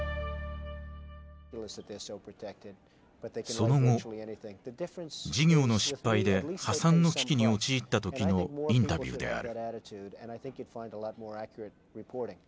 その後事業の失敗で破産の危機に陥った時のインタビューである。